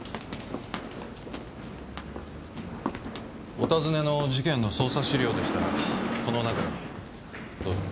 お尋ねの事件の捜査資料でしたらこの中に。どうぞ。